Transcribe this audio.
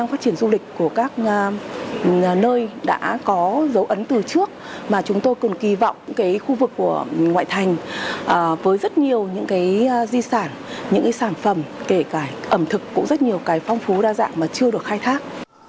nơi đã có dấu ấn từ trước mà chúng tôi còn kỳ vọng cái khu vực của ngoại thành với rất nhiều những cái di sản những cái sản phẩm kể cả ẩm thực cũng rất nhiều cái phong phú đa dạng mà chưa được khai thác